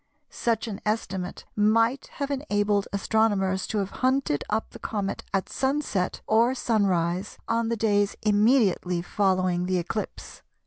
Such an estimate might have enabled astronomers to have hunted up the comet at sunset or sunrise on the days immediately following the eclipse.